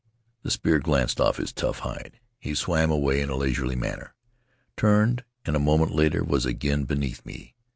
The spear glanced off his tough hide; he swam away in a leisurely manner, turned, and a moment later was again beneath me.